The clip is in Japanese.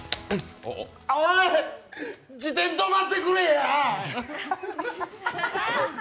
おーい、自転止まってくれや！